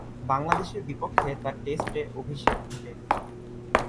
বাংলাদেশের বিপক্ষে তার টেস্টে অভিষেক ঘটে।